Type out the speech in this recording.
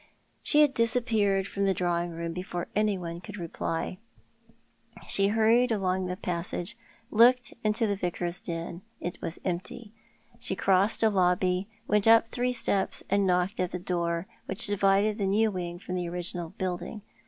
She had disappeared from the drawing room before anyone could reply. She hurried along a passage — looked into the Vicar's den. It was empty. She crossed a lobby, went uj:* three steps, and knocked at the door which divided the new wing from the original building.